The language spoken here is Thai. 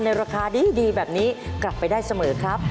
ราคาดีแบบนี้กลับไปได้เสมอครับ